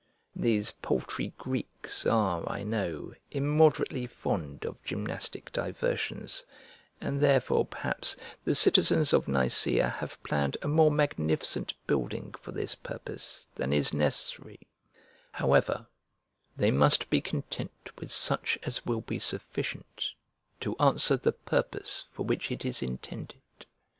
These paltry Greeks are, I know, immoderately fond of gymnastic diversions, and therefore, perhaps, the citizens of Nicea have planned a more magnificent building for this purpose than is necessary; however, they must be content with such as will be sufficient to answer the purpose for which it is intended.